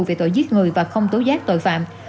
về tội giết người và không tố giác tội phạm